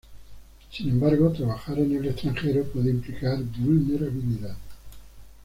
Sin embargo, trabajar en el extranjero puede implicar vulnerabilidad.